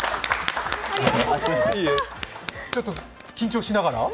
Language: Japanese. ちょっと、緊張しながら？